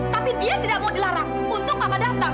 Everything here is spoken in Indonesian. tapi dia tidak mau dilarang untung papa datang